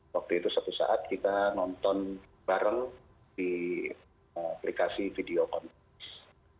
waktu itu satu saat kita nonton bareng di aplikasi video conference